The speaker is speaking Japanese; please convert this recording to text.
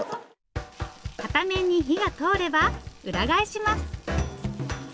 片面に火が通れば裏返します。